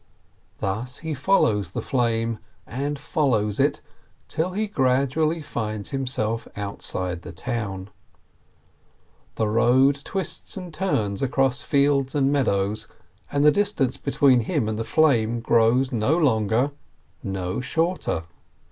Thus he follows the flame, and follows it, till he grad ually finds himself outside the town. The road twists and turns across fields and meadows, and the distance between him and the flame grows no longer, no shorter.